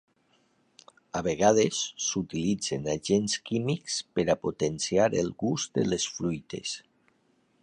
A vegades s’utilitzen agents químics per a potenciar el gust de les fruites.